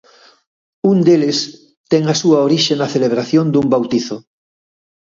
Un deles ten a súa orixe na celebración dun bautizo.